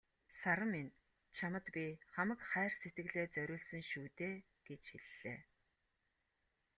"Саран минь чамд би хамаг хайр сэтгэлээ зориулсан шүү дээ" гэж хэллээ.